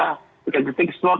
itu keluar macam macam perjudian itu